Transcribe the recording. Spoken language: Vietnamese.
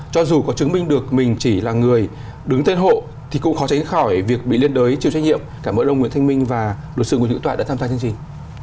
đột xử của những tòa đã tham gia chương trình